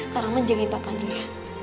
parah menjaga papa dulu ya